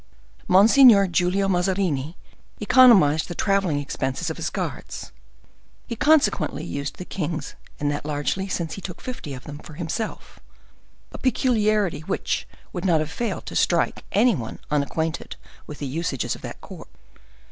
Monsignor Giulio Mazarini economized the traveling expenses of his guards; he consequently used the king's, and that largely, since he took fifty of them for himself—a peculiarity which would not have failed to strike any one unacquainted with the usages of that court.